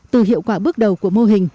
từ hiệu quả bước đầu của mô hình